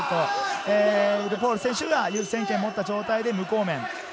ルフォール選手が優先権を持った状態で無効面。